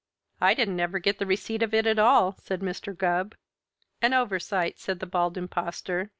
"I didn't ever get the receipt of it at all," said Mr. Gubb. "An oversight," said the Bald Impostor.